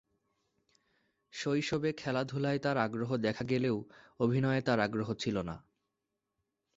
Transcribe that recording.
শৈশবে খেলাধুলায় তার আগ্রহ দেখা গেলেও অভিনয়ে তার আগ্রহ ছিল না।